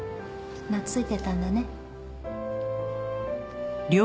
懐いてたんだね。